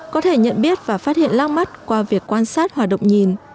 có thể nhận biết và phát hiện log mắt qua việc quan sát hoạt động nhìn